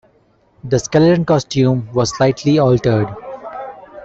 The skeleton costume was slightly altered.